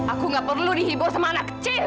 aku gak perlu dihibur sama anak kecil